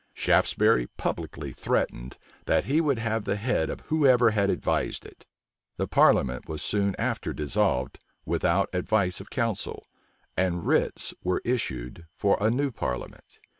Shaftesbury publicly threatened, that he would have the head of whoever had advised it. The parliament was soon after dissolved without advice of council; and writs were issued for a new parliament.